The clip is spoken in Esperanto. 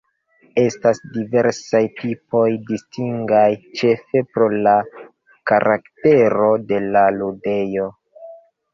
Estas diversaj tipoj distingaj ĉefe pro la karaktero de la ludejo.